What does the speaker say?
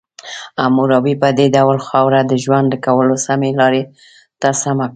حموربي په دې ډول خاوره د ژوند کولو سمې لارې ته سمه کړه.